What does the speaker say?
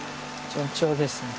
順調ですね。